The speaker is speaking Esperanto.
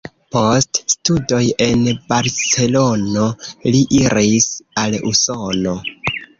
Post studoj en Barcelono li iris al Usono.